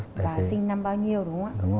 và sinh năm bao nhiêu đúng không ạ